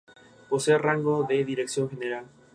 Suele cubrirse por una especie de savia muy pegajosa.